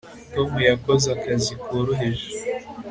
tom yakoze akazi koroheje